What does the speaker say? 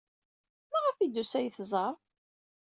Maɣef ay d-tusa ad iyi-tẓer?